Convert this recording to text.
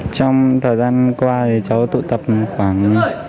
trong thời gian qua thì cháu tụ tập khoảng hai mươi